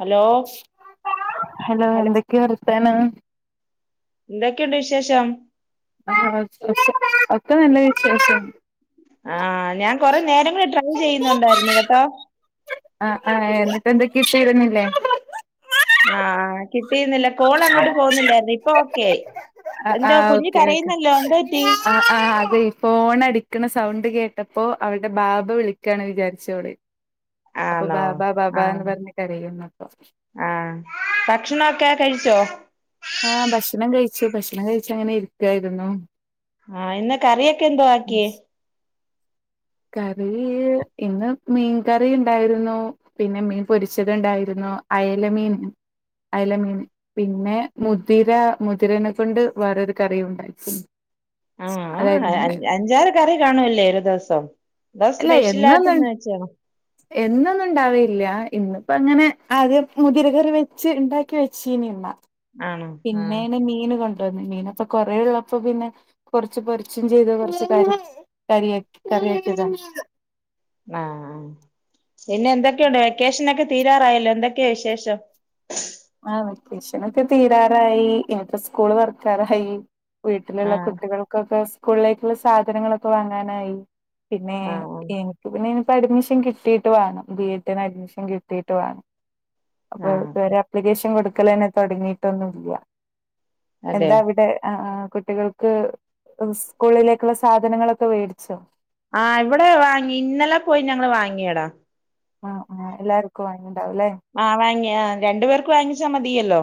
Hello. Hello എന്തൊക്കെ വർത്താനം. എന്തൊക്കെയുണ്ട് വിശേഷം. ആഹ് ഒക്കെ നല്ല വിശേഷം. ആഹ് ഞാൻ കൊറെ നേരമായി ട്രൈ ചെയ്യുന്നുണ്ടായിരുന്നു കെട്ടോ. അ ഏഹ് എന്നിട്ട് എന്ത കിട്ടിയിരുന്നില്ലേ. ആഹ് ആഹ് കിട്ടിയിരുന്നില്ല കോൾ അങ്ങോട്ട് പോകുന്നില്ലായിരുന്നു ഇപ്പോ ഓക്കേ ആയി. അ എന്തോ ആഹ് കുഞ്ഞ് ഓക്കെ ഓക്കെ കരയുന്നല്ലോ എന്തോ പറ്റി ആഹ് ആഹ് അതെ. ഫോണടിക്ക്ണ സൗണ്ട് കേട്ടപ്പോ അവരുടെ ബാബ വിളിക്കാണ് വിചാര്ച്ചു അവള്. അപ്പൊ ആണോ ബാബാ ബാബ എന്ന് പറഞ്ഞ് കരയുന്നു അപ്പൊ. ആഹ് ഭക്ഷണൊക്കെ കഴിച്ചോ. ആഹ് ഭക്ഷണം കഴിച്ചു ഭക്ഷണം കഴിച്ചങ്ങനെ ഇരിക്കായിരുന്നു. ആഹ് ഇന്ന് കറിയൊക്കെ എന്തോ ആക്കിയേ. കറീ ഇന്ന് മീൻകറി ഉണ്ടായിരുന്നു. പിന്നെ മീൻ പൊരിച്ചത് ഉണ്ടായിരുന്നു അയല മീൻ. അയല മീൻ പിന്നെ മുതിര മുതിരനെ കൊണ്ട് വേറെരു കറിയും ഉണ്ടായിട്ടു അ. അതായ അ അ അഞ്ചാറ് കറി കാണുല്ലേ ഒരു ദിവസം. അതോ അല്ല സ്പെഷ്യലായിട്ട് എന്നന്നും. ഇന്ന് വെച്ചാണോ എന്നൊന്നും ഇണ്ടാവലില്ല ഇന്നിപ്പങ്ങനെ ആദ്യം മുതിര കറി വെച്ച് ഉണ്ടാക്കി വെച്ചീന്ള്ള. ആണോ ആ പിന്നേണ് മീന് കൊ ണ്ടന്ന് മീനപ്പൊ കൊറെ ഉള്ളപ്പൊ പിന്നെ കൊറച്ച് പൊരച്ചും ചെയ്തു കൊറച്ച് കരിം. കരിയാക്കി കറ്യാക്ക്യതാ. ആഹ് പിന്നെ എന്തൊക്കെയുണ്ട് വെക്കേഷനൊക്കെ. തീരാറായല്ലൊ എന്തൊക്കെ വിശേഷം. ആഹ് വെക്കേഷനൊക്കെ തീരാറായി [unintelligible] സ്കൂള് തൊറക്കാറായി. ആ വീട്ടിലുള്ള കുട്ടികൾകൊക്കെ സ്കൂൾലേക്കുള്ള സാധനങ്ങളൊക്കെ വാങ്ങാനായി. പിന്നെ ആ എ ക്ക് പിന്നയ്ന് അഡ്മിഷൻ കിട്ടിയിട്ട് വേണം ബി എഡിന് അഡ്മിഷൻ കിട്ടിയിട്ട് വേണം. അപ്പൊ ആ ആ ഇതുവരെ ആപ്ലിക്കേഷൻ കൊടുക്കലെന്നെ തൊടങ്ങിയിട്ടൊന്നുല്ല. എന്താ അതെയോ അവിടെ ആഹ് ആഹ് കുട്ടികൾ. ക്ക് സ്കൂളിലേക്കുള്ള സാധനങ്ങളൊക്കെ വേടിച്ചോ. ആഹ് ഇവടെ വാങ്ങി ഇന്നലെ പോയി ഞങ്ങള് വാങ്ങിയടാ. ആഹ് ആഹ് എല്ലാര്ക്കും വാങ്ങിണ്ടാവും ലേ. ആഹ് വാങ്ങിയ രണ്ടു പേർക്ക് വാങ്ങിച്ചാ മതിയല്ലോ.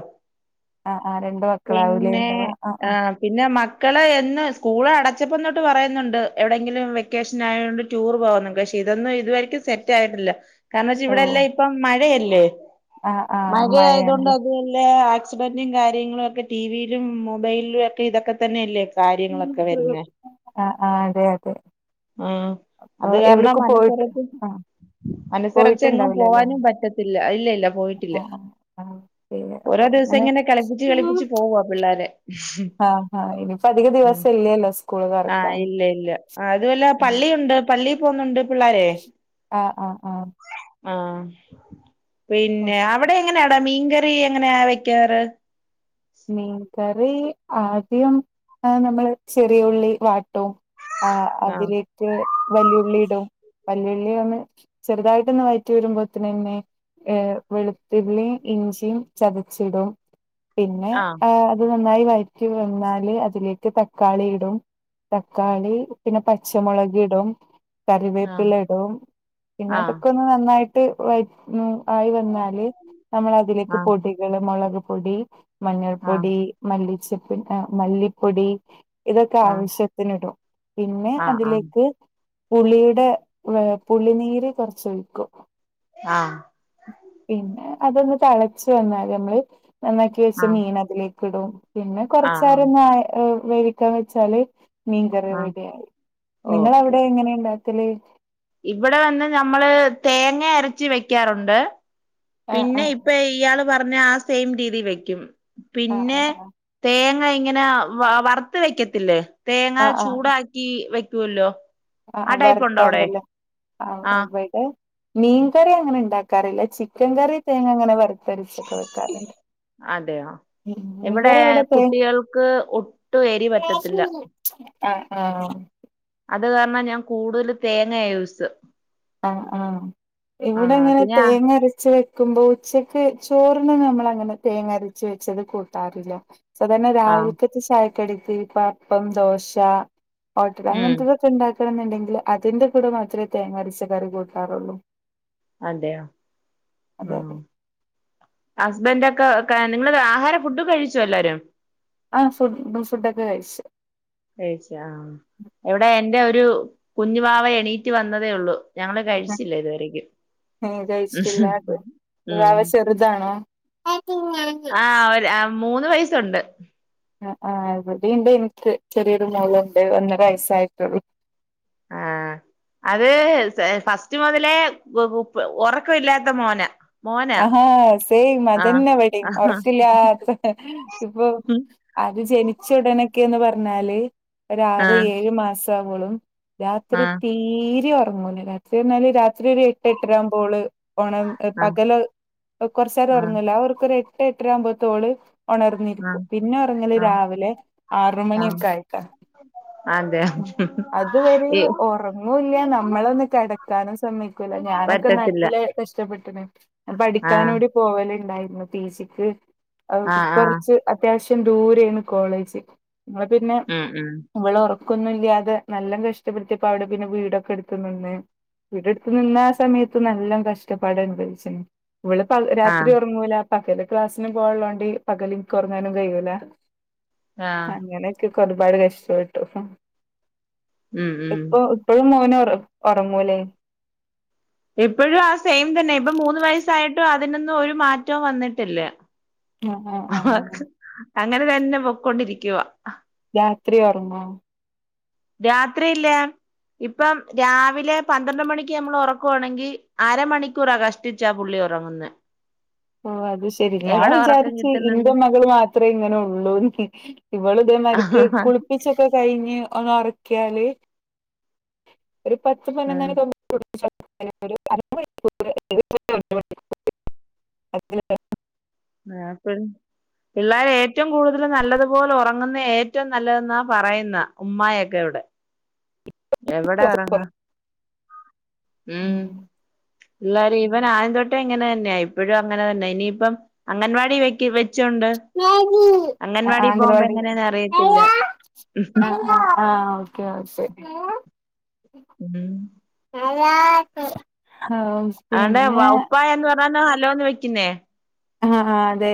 ആഹ് ആഹ് രണ്ടു മക്കളാവുലേ പിന്നെ ഉണ്ടാവ ആഹ് ആഹ്. പിന്നെ മക്കള് എന്ന് സ്കൂള് അടച്ചപ്പം തൊട്ട് പറയുന്നുണ്ട് എവിടെങ്കിലും വെക്കേഷനായോണ്ട്. ടൂർ പോകുന്നു പക്ഷേ ഇതൊന്നും ഇതുവരെക്കും സെറ്റ് ആയിട്ടില്ല കാരണം വെച്ച ഓഹ് ഇവിടെല്ലാം ഇപ്പോ മഴയല്ലേ. ആഹ് ആഹ് മഴ ആയതുകൊണ്ട് മഴയാണല്ലേ അതുല്ല. ഹസ്ബന്റും കാര്യങ്ങളും ഒക്കെ ടിവിയിലും മൊബൈലിലും ഒക്കെ ഇതൊക്കെ തന്നെല്ലേ. കാര്യങ്ങളൊക്കെ വരുന്നെ ആഹ് ആഹ് അതെ അതെ ആഹ് അത് ആഹ് കാരണം എവിടക്ക് പോയിട്ട് അനുസരിച്ച് ആഹ് അനുസരച്ച് എങ്ങും പോയിട്ടുണ്ടാവില്ലല്ലേ പോവാനും ആഹ് പറ്റ ത്തില്ല ഇല്ല ഇല്ല പോയിട്ടില്ല ആഹ് ആഹ് ശരി ഓരോ അപ്പൊ ദിവസം അങ്ങനെ ഇങ്ങനെ കളിപ്പിച്ച് കളിപ്പിച്ച് പോ പോ പിള്ളാരെ ആഹ് ആഹ് ഇനിയിപ്പോ അധിക ഉം ദിവസം ഇല്ലല്ലോ സ്കൂള് ആഹ് തുറക്കാൻ ഇല്ല ഇല്ല അതു അല്ല പള്ളിയുണ്ട്. പള്ളി പോകുന്നുണ്ട് പിള്ളാരെ ആഹ് ആഹ് ആഹ് ആഹ് പിന്നെ അവിടെ എങ്ങനെയാടാ മീൻകറി എങ്ങനെയാ വെക്കാറ്? മീൻകറി ആദ്യം നമ്മള് ചെറിയ ഉള്ളി വാട്ടും ആഹ് അതിലേക്ക് വല്ലുള്ളി ഇടും വല്ലുള്ളി ഒന്ന് ചെറുതായിട്ടൊന്ന് വയറ്റി വരുമ്പോത്തിനെന്നെ ഏഹ് വെളുത്തുള്ളിം ഇഞ്ചിം ചതച്ചിടും പിന്നെ ആഹ് ആ അത് നന്നായി വയറ്റി വന്നാല് അതിലേക്ക് തക്കാളി ഇടും തക്കാളി പിന്നെ പച്ചമുളകിടും ആഹ് കറിവേപ്പില ഇടും പിന്നെ അതൊക്കെ ഒന്ന് നന്നായി ട്ട് വയ ആയി വന്നാല് നമ്മൾ അതിലേക്ക് ആഹ് പൊടികള് മൊളക് പൊടി ആഹ് മഞ്ഞൾപ്പൊടി മല്ലിച്ചപ്പ് മല്ലിപ്പൊടി ഇതൊക്കെ ആവശ്യ ത്തിന് ഇടും. പിന്നെ ആഹ് ആഹ് അതിലേക്ക് പുളിയുടെ ഏഹ് പുളിനീര് കൊർച്ച് ഒഴിക്കും ആഹ് പിന്നെ അതൊന്ന് തളച്ച് വന്നാൽ നമ്മള് നന്നാ ക്കി വെച്ച ആഹ് മീൻ അതിലേക്ക് ഇടും പിന്നെ ആഹ് ആഹ് കൊർച്ചേരം ആഹ് ഒന്ന് വേ വേവിക്കാൻ വെച്ചാല് മീൻകറി ആഹ് റെഡി ആയി നിങ്ങള അവ്ടെ എങ്ങനെ ഉണ്ടാക്കല് ഇവടെ വന്ന ഞമ്മള് തേങ്ങ അരച്ച് വെക്കാറുണ്ട് ആഹ് പിന്നെ ആഹ് ഇപ്പൊ ഇയാള് പറഞ്ഞ ആ സെയിം രീതി വെക്കും ആഹ് പിന്നെ ആഹ് തേങ്ങ ഇങ്ങനെ വ വറുത്ത് വെക്കത്തില്ലേ തേങ്ങ ആഹ് ചൂടാ ക്കി വയ്ക്കൂല്ലോ അഹ് ആഹ് വർത്താണ്ട് ല്ലേ ആഹ് [unintelligible] മീൻ കറി അങ്ങനെ ഉണ്ടാക്കാറില്ല ചിക്കൻ കറി തേങ്ങ അങ്ങനെ വറുത്തര്ച്ചൊക്കെ വെക്കാറ്ണ്ട് അതെയോ ഇവടെ ഇവിടെ തേ കുട്ടികൾക്ക് ഒട്ടും എരി പറ്റത്തില്ല ആഹ് ആഹ് അത് കാരണം ഞാൻ കൂടുതൽ തേങ്ങ യൂസ് അഹ് ആഹ് ആഹ് ഇവിടെങ്ങനെ പിന്നെ തേങ്ങരച്ച് വക്കുമ്പോ ഉച്ചക്ക് ചോറിന് നമ്മൾ അങ്ങനെ തേങ്ങരച്ച് വെച്ചത് കൂട്ടാറില്ല സാധാരണ ആഹ് രാവിൽക്കത്തെ ചായക്കടിക്ക് ഇപ്പൊ അപ്പം ദോശ ഓട്ടട ഉം അങ്ങൻത്തെ ഇണ്ടാക്കണം എന്നുണ്ടെങ്കിൽ അതിന്റെ കൂടെ മാത്രേ തേങ്ങ അരച്ച കറി കൂട്ടാറുള്ളൂ അതെയോ അതെ ആഹ് അതെ ഹസ്ബൻഡ് ഒക്കെ നിങ്ങള് ആഹാര ഫുഡ് കഴിച്ചുവ എല്ലാരും ആഹ് ഫുഡ് ഫുഡൊക്കെ കഴിച്ച് കഴിച്ച് ആ ഇവടെ എന്റെ ഒരു കുഞ്ഞു വാവ എണീറ്റ് വന്നതേ ഉള്ളൂ ഞങ്ങള് കഴിച്ചില്ല ഇതുവരെക്കും ഏ, ഉം താണോ ആ ഒര് ആ മൂന്ന് വയസ്സുണ്ട് ആ ആ. ഇവിടി ഇണ്ട് ഇനി ചെറിയൊരു മോളുണ്ട്. ഒന്നര വയസ്സായിട്ടുള്ളു. ആഹ് അത് ഫസ്റ്റ് മൊതലേ ഒറക്ക ഇല്ലാത്ത മോന. ആഹാ സേം. അതന്നെ ഇവടിം. ആഹ് ഒറക്കില്ലാത്ത ഇപ്പം. അത് ജനിച്ച ഉടനെക്കെന്ന് പറഞ്ഞാല്. ഒരാറ് ആഹ് ഏഴ് മാസാവോളും. രാത്രി തീരെ ഒറങ്ങൂല. രാത്രി പറഞ്ഞാല് രാത്രി ഒരു എട്ട് എട്ടരകുമ്പോള് ഓണം. ആഹ് പകല് കൊറച്ചേരം ആഹ് ഒറ്ങ്ങൂല്ലെ ആ ഒർക്കൊരു എട്ട് എട്ടര ആവുമ്പോത്ത് ഓള്. ഒണർന്നിരിക്കും. ആഹ് പിന്നെ ഒറ്ങ്ങല് ആഹ് ആഹ് രാവിലെ ആറ് ആഹ് മണിയൊക്കെ ആയിട്ട. അതെ ഉം അതുവരെ ഈ ഓറ ണുല്ല. നമ്മളൊന്നും കെടക്കാനും സമ്മയ്ക്കൂല. ഞാനൊക്കെ പറ്റത്തില്ല നല്ല കഷ്ടപ്പെട്ട്ണ്. ആഹ് പഠിക്കാനൂടി പോവല്ണ്ടായിരുന്നു. പി ജി ക്ക് അത് ആഹ് ആഹ് കുറച്ച് അത്യാവശ്യം ദൂരേയ്ന്നു കോളേജ്. ഞാ പിന്നെ ഉം ഉം ഇവളെ ഒറക്ക് ക്കൊന്നുല്ലാതെ നല്ലൊം കഷ്ടപ്പെടുത്ത്യേപ്പം അവിടെ പിന്നെ വീടൊക്കെ ഇട്ത്ത് നിന്ന്. വീടെടുത്ത് നിന്ന ആ സമയത്ത് നല്ല കഷ്ടപ്പാട് അനുഭവിച്ച്ണ്. ഇവിള് പ രാത്രി ആഹ് ഒറങ്ങൂല. പകല് ക്ലാസ്സിനും പോവാള്ളോണ്ട് പകല് ഇൻക്ക് ഉറങ്ങാനും കഴിയൂല. ആഹ് അങ്ങനെയൊക്കെ ഒരുപാട് കഷ്ടപ്പെട്ടു. ഉം ഉം ഇപ്പ ഇപ്പോഴും മോന് ഒറങ്ങൂല്ലേ? ഇപ്പഴും ആ സെയിം തന്നെ. ഇപ്പം മൂന്ന് വയസ്സായിട്ടും അതിനൊന്നും ഒരു മാറ്റവും വന്നിട്ടില്ല. ആഹ് ആ ആഹ് ആഹ് അങ്ങനെ തന്നെ പൊക്കൊണ്ടിരിക്ക്യെ. രാത്രി ഒറങ്ങോ? രാത്രിയില്ല. ഇപ്പം രാവിലെ പന്ത്രണ്ട് മണിക്ക് നമ്മള് ഒറക്ക്വാണെങ്കി അരമണിക്കൂറാ കഷ ട്ടിച്ചാ പുള്ളി ഒറങ്ങുന്നെ. ഓ അത് ശെരി ഞാൻ വിചാരിച്ച് ഇന്റെ മകള് മാത്രേ ഇങ്ങനെ ഒള്ളൂന്ന്. ഇവള് ഇതേമാതിരിക്ക് ആഹ് കുളിപ്പിച്ചൊക്കെ കഴിഞ്ഞ് ഒന്ന് ഒറക്ക്യാല്. ഒരു പത്ത് പയ്നൊന്നണിത്തോ [unintelligible] [unintelligible] [unintelligible] ആഹ് പ്പ പിള്ളേര് ഏറ്റവും കൂടുതല് നല്ലതുപോലെ ഉറങ്ങുന്നെ ഏറ്റവും നല്ലതെന്നാ പറയുന്ന. ഉമ്മായൊക്കെ ഇവിടെ. എവിടെ ഉറങ്ങ. ആഹ് ആഹ് ഉം. എല്ലാരും. ഇവൻ ആയൻ തൊട്ടേ ഇങ്ങനെ തന്നെ. ഇപ്പോഴും അങ്ങനെ തന്നെ. ഇനിയിപ്പം അംഗൻവാടി വെക്ക [unintelligible] ആ പോകുമ്പോ ആംഗലവാടീല്. എങ്ങനെയാന്ന് അറിയത്തില്ല ആഹ്. Okay okay. ഉം ഹലോ അതോണ്ട് വ ഉപ്പായ എന്ന് പറാ [unintelligible] നോ ഹലോന്ന് വെക്കുന്നേ. ആഹ് ആ അതെ.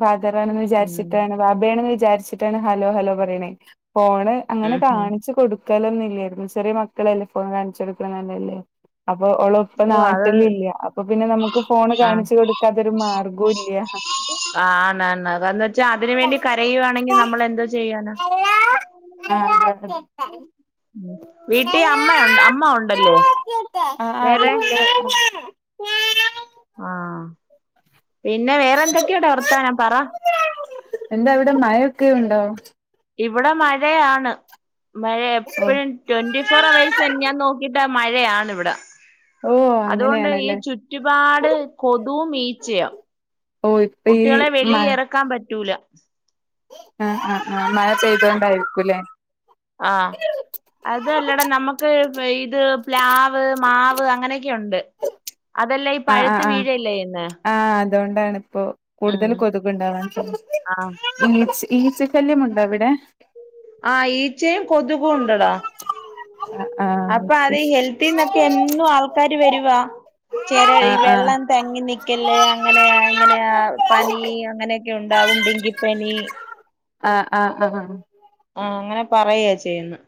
ഫാദറാണെന്ന് ഉം വിചാരിച്ചിട്ടാണ്. ബാബേണന്ന് വിചാരിച്ചിട്ടാണ് ഹലോ ഹലോ പറിണേ. ഫോണ് അങ്ങനെ ഉം കാണിച്ചു കൊടു ക്കലൊന്നു ഇല്ലേര്ന്നു. ചെറിയ മക്കളല്ലേ ഫോൺ കാണിച്ചെടുകണ് നല്ലല്ലോ അപ്പൊ ഓള് ഇപ്പ ഓ അത് നാട്ടിലില്ല. അപ്പൊ പിന്നെ നമുക്ക് ഫോണ് കാണിച്ചു കൊടുക്കാത്തൊരു മാ ആഹ്. ആന്ന് ആന്ന് അതന്ന് വച്ചാ അതിന് വേണ്ടി കരയുവാണെങ്കിൽ നമ്മള് എന്തോന്ന ചെയ്യാന ഹലോ ആ ഉം വീട്ടിൽ [unintelligible] അമ്മയുണ്ട് അമ്മ ഉണ്ടല്ലേ ഹാലോ ആ വേറെ ആ ആഹ്. പിന്നെ വേറെ എന്തൊക്ക്യാട വർത്താനം പറ. എന്താ അവിടെ മഴൊക്കെ ഉണ്ടോ? ഇവടെ മഴയാണ് മഴ ഓ എപ്പഴും ട്വന്റി ഫോർ അവേഴ്സ് എന്നെ ഞാൻ നോക്കിയിട്ട് മഴയാണ് ഇവിടെ ഓ അതുകൊണ്ട് ഈ അങ്ങനെയാണല്ലേ ചുറ്റുപാട് കൊതുവും ഈച്ചയും ഓ ഇപ്പൊ ഈ കുട്ടികളെ മഴ വെളിയിൽ എറക്കാൻ പറ്റൂല ഉം ഉം ഉം മഴ പെയ്തോണ്ടായിരിക്കുംല്ലേ ആഹ് അത് എല്ലടാ നമുക്ക് പെയ്ത് പ്ലാവ് മാവ് അങ്ങനെയൊക്കെയുണ്ട് അതെല്ലാം ഈ പഴ്ത്ത് വീഴല്ലേ ചെയ്യുന്നേ അത് കൊണ്ടാണ് ഇപ്പൊ കൂടുതല് ആഹ് കൊതുക് ഇണ്ടാവാൻ ചാൻസ് ഈച്ച് ഈച്ച ശല്യംമുണ്ടോ അവടെ ആഹ് ഈച്ചയും കൊതുകും ഇണ്ടടാ ആഹ് ആഹ് അപ്പ ഓക്കെ അത് ഈ ഹെൽത്തിൽ നിന്നൊക്കെ എന്നും ആൾക്കാര് വെരുവാ ചെറ ഇ ആഹ് ആഹ് വെള്ളം തങ്ങി നിക്കല്ലേ അങ്ങനെയാ ഇങ്ങനെയാ പനി അങ്ങനെയെക്കെ ഉണ്ടാവും ഡെങ്കിപ്പനി ആഹ് ആഹ് ആഹ് ആഹ് അങ്ങനെ പറയാ ചെയ്യ്ന്ന്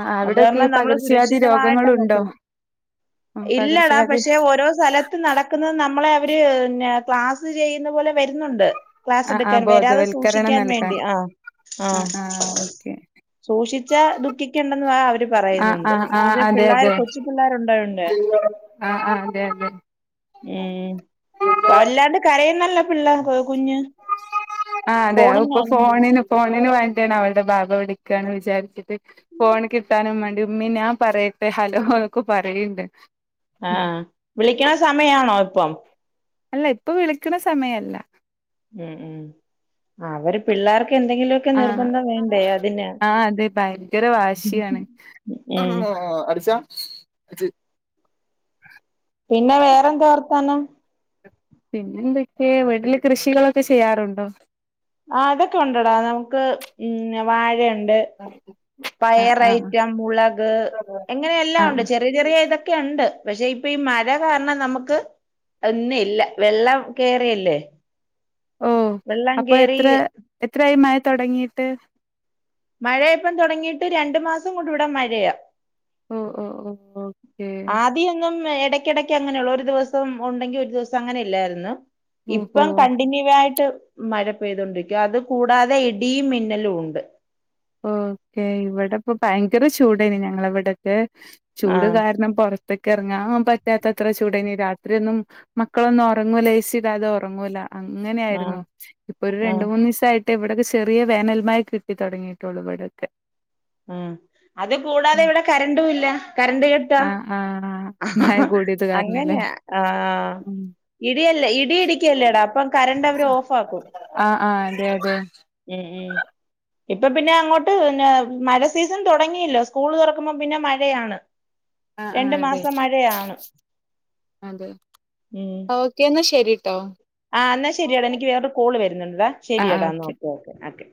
ആഹ് അത് അവിടൊക്കെ കാരണം ഈ നമ്മള് പകർച്ചവ്യാധി സുരക്ഷിതമായിട്ടാ രോഗങ്ങളുണ്ടോ നോക്കുന്നെ ഇല്ലടാ പകർച്ചവ്യാധി പക്ഷെ ഓരോ സ്ഥല ത്ത് നടക്കുന്നത് നമ്മളെ അവര് പിന്നെ ക്ലാസ് ചെയ്യുന്ന പോലെ വെരുന്നുണ്ട് ക്ലാസ് ആഹ് ആഹ് ഇട്ക്കാൻ വെരാതെ ബോധവൽക്കരണം സൂക്ഷിക്കാൻ നൽകാൻ വേണ്ടി ആഹ് ആഹ് ആഹ് ഓക്കെ സൂക്ഷിച്ചാൽ ദുഃഖിക്കേണ്ട എന്നാ അവര് ആഹ് പറയുന്നുണ്ട് ആഹ് ആഹ് ഇവടെ അതെ പിള്ളേര് അതെ കൊച്ചു പിള്ളേര് ഉണ്ടായോണ്ടേ ആഹ് ആഹ് അതെ അതെ ഉം വല്ലാണ്ട് കരയുന്നല്ലാേ പിള്ളാ കൊ കുഞ്ഞ് ആ അതെ അത് ഇപ്പൊ ഫോണിന്നാണ് ഫോണിന് ഫോണിന് വേണ്ടിയാണ് അവള്ടെ ബാബ വിളിക്കാണ് വിചാരിച്ചിട്ട് ഫോണ് കിട്ടാനും വാണ്ടി ഉമ്മി നാംപറയട്ടെ ഹലോന്നൊക്കെ പറയിണ്ട് ആഹ് വിളിക്ക്ണ സമയാണോ ഇപ്പം അല്ല ഇപ്പൊ വിളിക്ക്ണ സമയല്ല ഉം ഉം അവര് പിള്ളേർക്ക് എന്തെങ്കിലൊക്കെ നിർബന്ധം വേണ്ടേ അതിന് ആഹ് അതെ ഭയങ്കര വാശിയാണ് ഉം ഇമ്മാ അടിച്ചാ അത് പിന്നെ വേറെന്താ വർത്താനം പിന്നെ എന്തെക്കെ വീട്ടില് കൃഷികളൊക്കെ ചെയ്യാറുണ്ടോ ആഹ് അതൊക്കെ ഉണ്ടെടാ നമുക്ക് ഉം വാഴയുണ്ട് ആ ആ പയറൈറ്റം മുളക് അങ്ങനെ എല്ലാം ആ ഒണ്ട് ചെറി യ ചെറിയ ഇതൊക്കെയുണ്ട് പക്ഷെ ഇപ്പ ഈ മഴ കാരണം നമുക്ക് ഒന്നും ഇല്ല വെള്ളം കേറി എല്ലേ ഓഹ് വെള്ളം അപ്പൊ എത്രെ എത്രയായി മയ തൊടങ്ങീട്ട് മഴയിപ്പം തൊടങ്ങീട്ട് രണ്ടു മാസം കൊണ്ട് ഇവിടെ മഴയാ ഓഹ് ഓഹ് ഓഹ് ഓക്കേ തീയൊന്നും എടയ്ക്കെടക്ക് അങ്ങനെയൊള്ളു ഒരു ദിവസം ഉണ്ടെങ്കി ഒരു ദിവസം അങ്ങനെ ഇല്ലായിരുന്നു ഓഹോ ഇപ്പം കണ്ടിന്യൂവായിട്ട് മഴ പെയ്തോണ്ടിരിക്കാ അത് കൂടാതെ ഇടിയും മിന്നലും ഉണ്ട് ഓക്കേ ഇവടെ ഇപ്പൊ ഭയങ്കര ചൂടായിന് ഞങ്ങളെ ഇവടെക്കെ ചൂട് ആഹ് കാരണം പൊറ ത്ത്ക്കെർങ്ങാൻ പറ്റാത്തത്ര ചൂടേനി രാത്രിയൊന്നും മക്കളൊന്നും ഒറങ്ങൂല എ സിടാതെ ഒറങ്ങൂല അങ്ങനെ ആഹ് ആയിര്ന്നു ഇപ്പൊ ഒരു രണ്ട് ആഹ് മൂന്നീസായിട്ട് ഇവിടെക്കെ ചെറിയ വേനൽമയ കിട്ടി തൊടങ്ങി ട്ടൊള്ളു വടെക്കെ ഉം അത് കൂടാതെ ഉം. ഇവിടെ കരണ്ടും ഇല്ല കരണ്ട് ക ട്ടാ ആ ആ മഴ കൂടിയത് കാരണല്ലേ അങ്ങന്യാ ആ ആ ഉം ഇടിയല്ലേ ഇടി ഇടിക്കല്ലേടാ അപ്പം കരണ്ടവര് ഓഫാക്കും ആഹ് ആഹ് അതെ അതെ ഉം ഉം ഇപ്പൊ പിന്നെ അങ്ങോട്ട് പിന്നേ മഴ സീസൺ തൊടങ്ങിയല്ലോ സ്കൂള് തൊറക്കുമ്പോ പിന്നെ മഴയാണ് ആ ആ രണ്ട് അതെ മാസം മഴയാണ് അതെ ഉം ഓക്കെ എന്നാ ശെരിട്ടോ ആ ന്നാ ശെരിയെടാ എനിക്ക് വേറൊരു കോള് വെരുന്നുണ്ടെടാ ആ ആ ശെരിയെടാ ഓക്കെ ന്നാ ഓക്കേ ഓക്കേ ഓക്കെ